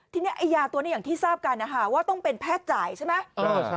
ทีนี้ไอ้ยาตัวนี้อย่างที่ทราบกันนะคะว่าต้องเป็นแพทย์จ่ายใช่ไหม